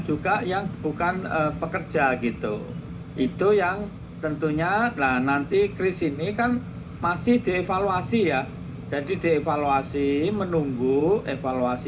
untuk yang di phs lima puluh sembilan tahun dua ribu dua puluh empat ya